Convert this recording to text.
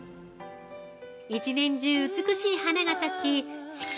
１年中美しい花が咲き四季